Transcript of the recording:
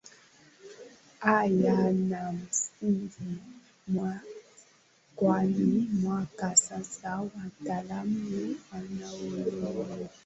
hayanamsingi kwani mpaka sasa wataalamu wanaodai hivi